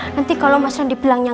nanti kalau mas andi bilangnya